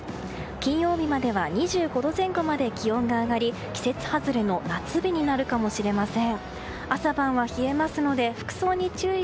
金曜日までは２５度前後まで気温が上がり季節外れの夏日になるかもしれません。